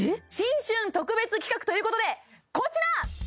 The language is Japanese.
新春特別企画ということでこちら！